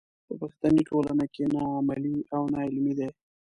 په پښتني ټولنه کې نه عملي او نه علمي دی.